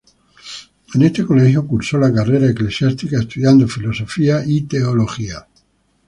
En este colegio cursó la carrera eclesiástica, estudiando Filosofía y Teología.